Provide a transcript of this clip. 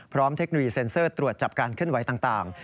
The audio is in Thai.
พร้อมเทคโนโลยีเซ็นเซอร์ตรวจจับการขึ้นไว้ต่าง